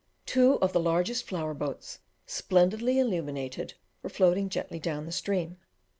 Two of the largest flower boats, splendidly illuminated, were floating gently down the stream.